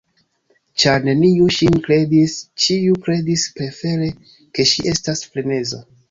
Ĉar neniu ŝin kredis, ĉiu kredis prefere ke ŝi estas freneza.